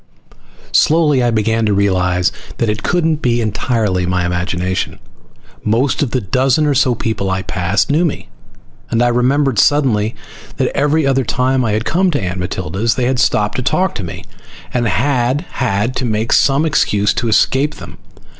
Slowly I began to realize that it couldn't be entirely my imagination. Most of the dozen or so people I passed knew me, and I remembered suddenly that every other time I had come to Aunt Matilda's they had stopped to talk with me and I had had to make some excuse to escape them.